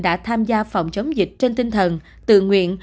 đã tham gia phòng chống dịch trên tinh thần tự nguyện